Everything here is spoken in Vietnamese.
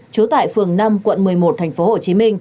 trú tại phường năm quận một mươi một tp hcm